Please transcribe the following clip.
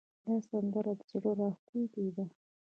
دا سندره زړه راښکونکې ده